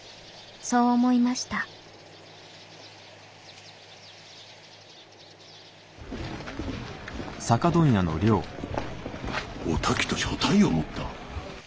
そう思いましたおたきと所帯を持った？